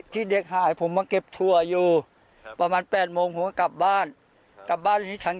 ทั่วเขายังไม่ได้มาตัดอ้อยเขามาตัดจนผมกลับไปแล้วเขายังมาตัดอ้อย